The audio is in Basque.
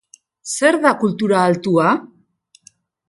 Zer da kultura altua?